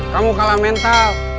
kamu kalah mental